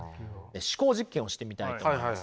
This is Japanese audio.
思考実験をしてみたいと思います。